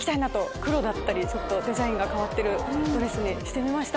黒だったりデザインが変わってるドレスにしました。